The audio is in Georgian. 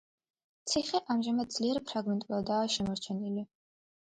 ციხე ამჟამად ძლიერ ფრაგმენტულადაა შემორჩენილი.